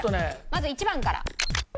まず１番から。